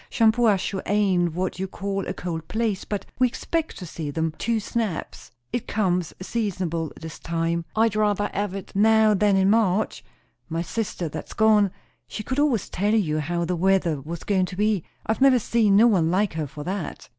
"Shampuashuh ain't what you call a cold place; but we expect to see them two snaps. It comes seasonable this time. I'd rayther hev it now than in March. My sister that's gone, she could always tell you how the weather was goin' to be. I've never seen no one like her for that."